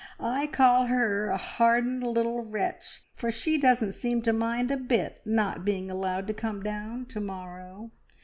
I call her a hardened little wretch, for she doesn't seem to mind a bit not being allowed to come down to morrow.